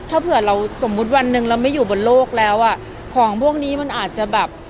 ถ้าเผื่อเราสมมุติวันหนึ่งเราไม่อยู่บนโลกแล้วอ่ะของพวกนี้มันอาจจะแบบ